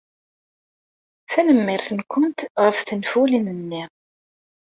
Tanemmirt-nwent ɣef tenfulin-nni.